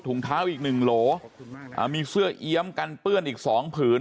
เท้าอีกหนึ่งโหลมีเสื้อเอี๊ยมกันเปื้อนอีกสองผืน